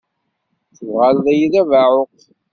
Tuɣal-iyi d abeɛɛuq.